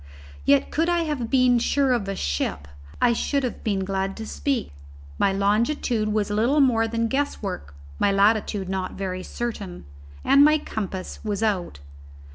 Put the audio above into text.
Yet could I have been sure of a ship, I should have been glad to speak. My longitude was little more than guesswork; my latitude not very certain; and my compass was out.